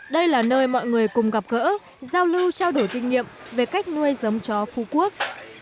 đây là nơi mọi người cùng gặp gỡ giao lưu trao đổi kinh nghiệm về cách nuôi giống chó phú quốc